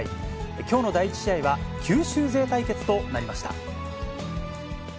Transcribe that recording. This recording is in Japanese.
きょうの第１試合は、九州勢対決となりました。